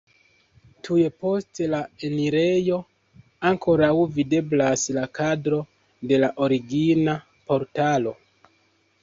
Tuj post la enirejo ankoraŭ videblas la kadro de la origina portalo.